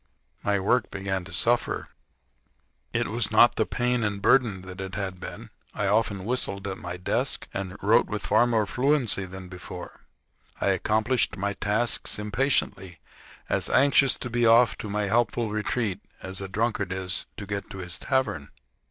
Mv work began to suffer. It was not the pain and burden to me that it had been. I often whistled at my desk, and wrote with far more fluency than before. I accomplished my tasks impatiently, as anxious to be off to my helpful retreat as a drunkard is to get to his tavern.